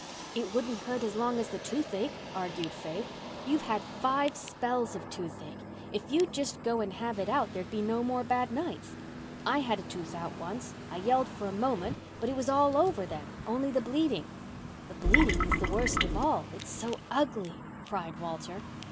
"It wouldn't hurt as long as the toothache," argued Faith, "You've had five spells of toothache. If you'd just go and have it out there'd be no more bad nights. I had a tooth out once. I yelled for a moment, but it was all over then—only the bleeding." "The bleeding is worst of all—it's so ugly," cried Walter.